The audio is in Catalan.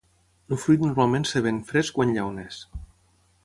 El fruit normalment es ven fresc o en llaunes.